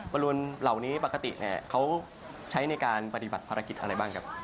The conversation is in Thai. บริเวณเหล่านี้ปกติเขาใช้ในการปฏิบัติภารกิจอะไรบ้างครับ